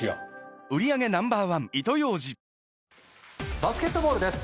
バスケットボールです。